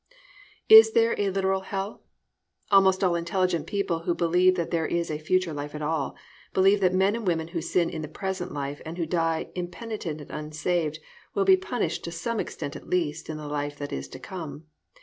Is There a Literal Hell? Almost all intelligent people who believe that there is a future life at all, believe that men and women who sin in the present life and who die impenitent and unsaved will be punished to some extent at least in the life that is to come.